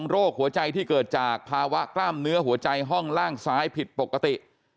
โรคหัวใจที่เกิดจากภาวะกล้ามเนื้อหัวใจห้องล่างซ้ายผิดปกติ